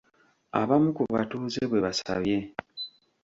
Abamu ku batuuze bwe basabye.